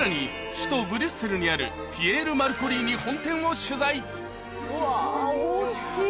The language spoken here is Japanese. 首都ブリュッセルにあるピエール・マルコリーニ本店を取材うわ大っきい！